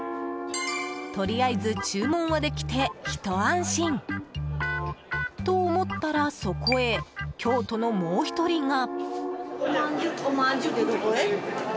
とりあえず注文はできてひと安心！と、思ったらそこへ京都のもう１人が。